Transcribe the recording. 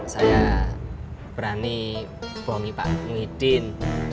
saya berani bomi pak muhyiddin